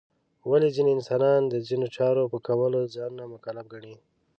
ولې ځینې انسانان د ځینو چارو په کولو ځانونه مکلف ګڼي؟